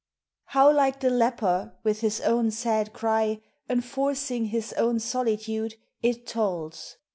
How like the leper, with his own sad cry Enfor< ing his own solitude, it tolls!